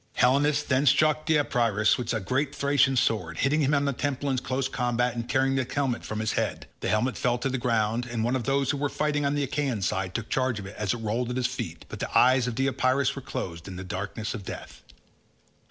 Helenus then struck Deipyrus with a great Thracian sword, hitting him on the temple in close combat and tearing the helmet from his head; the helmet fell to the ground, and one of those who were fighting on the Achaean side took charge of it as it rolled at his feet, but the eyes of Deipyrus were closed in the darkness of death.